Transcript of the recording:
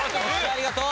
ありがとう！